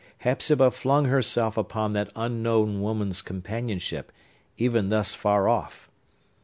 Hepzibah flung herself upon that unknown woman's companionship, even thus far off.